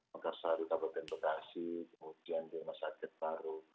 makassar ruta bekasi kemudian di rumah sakit baru